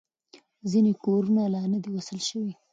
ځینې کورونه لا نه دي وصل شوي.